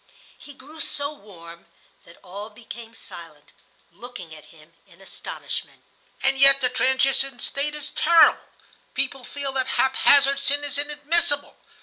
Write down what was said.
He grew so warm that all became silent, looking at him in astonishment. "And yet the transition state is terrible. People feel that haphazard sin is inadmissible.